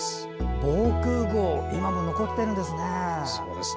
今も残っているんですね。